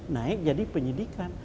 naik jadi penyidikan